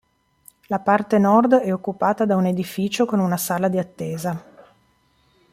La parte nord è occupata da un edificio con una sala di attesa.